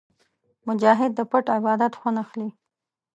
مجاهد د پټ عبادت خوند اخلي.